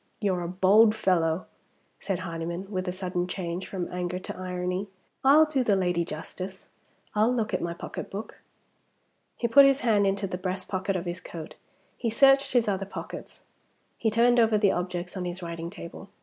"You're a bold fellow," said Hardyman, with a sudden change from anger to irony. "I'll do the lady justice. I'll look at my pocketbook." He put his hand into the breast pocket of his coat; he searched his other pockets; he turned over the objects on his writing table.